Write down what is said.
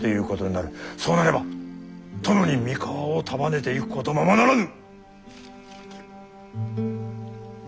そうなれば殿に三河を束ねていくことままならぬ！